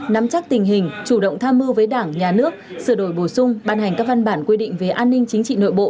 nắm chắc tình hình chủ động tham mưu với đảng nhà nước sửa đổi bổ sung ban hành các văn bản quy định về an ninh chính trị nội bộ